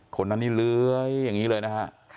คนนั้นนี่เลื้อยอย่างนี้เลยนะฮะ